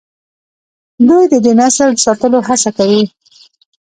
دوی د دې نسل د ساتلو هڅه کوي.